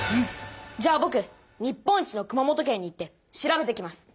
じゃあぼく日本一の熊本県に行って調べてきます。